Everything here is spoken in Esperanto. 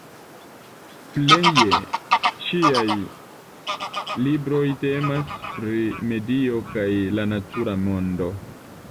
Pleje ŝiaj libroj temas pri medio kaj la natura mondo.